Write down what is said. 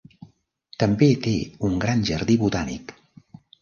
També té un gran jardí botànic.